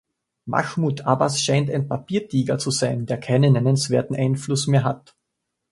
Mahmoud Abbas scheint ein Papiertiger zu sein, der keinen nennenswerten Einfluss mehr hat.